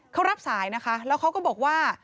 เขารับสายนะคะแล้วเขาก็บอกว่า